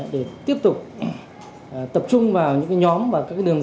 để tiếp tục tập trung vào những nhóm và các đường